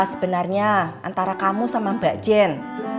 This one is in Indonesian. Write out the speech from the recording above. sebenarnya antara kamu sama mbak jen